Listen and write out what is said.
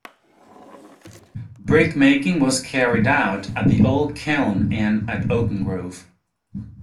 Brickmaking was carried out at the Old Kiln and at Oakengrove.